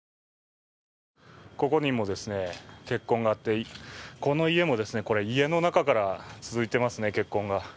ここにも血痕があって、この家も、これ、家の中から続いていますね、血痕が。